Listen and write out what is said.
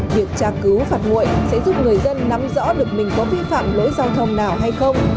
việc tra cứu phạt nguội sẽ giúp người dân nắm rõ được mình có vi phạm lỗi giao thông nào hay không